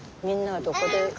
みんなはどこで。